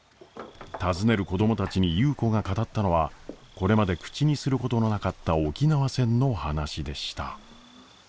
尋ねる子供たちに優子が語ったのはこれまで口にすることのなかった沖縄戦の話でした。